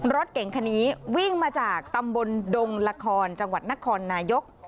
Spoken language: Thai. รถเก่งคันนี้วิ่งมาจากตำบลดงละครจังหวัดนครนายก